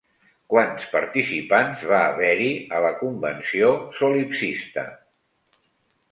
Quants participants va haver-hi a la convenció solipsista?